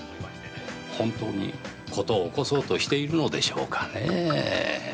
本当に、事を起こそうとしているのでしょうかね。